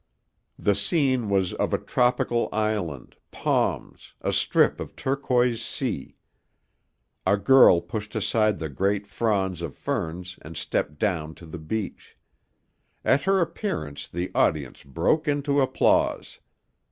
The scene was of a tropical island, palms, a strip of turquoise sea. A girl pushed aside the great fronds of ferns and stepped down to the beach. At her appearance the audience broke into applause.